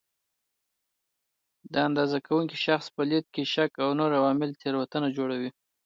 د اندازه کوونکي شخص په لید کې شک او نور عوامل تېروتنه جوړوي.